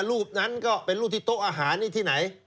รูปนั้นก็เป็นรูปที่โต๊ะอาหารนี่ที่ไหน